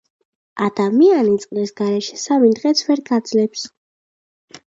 ადამიანი წყლის გარეშე სამი დღეც ვერ გაძლებს